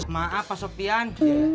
maaf pak sofyan